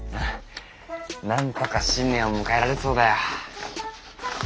なんとか新年を迎えられそうだよ。